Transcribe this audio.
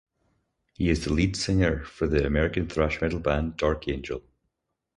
He is the lead singer for the American thrash metal band Dark Angel.